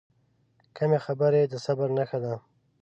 کمې خبرې، د صبر نښه ده.